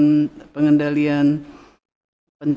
dan kegiatan pengendalian polusi udara ini